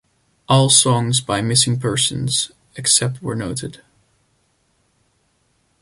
All songs by Missing Persons, except where noted.